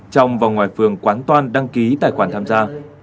trong và ngoài phường quán toan đăng ký tài khoản tham gia